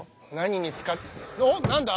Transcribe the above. おおっ何だ。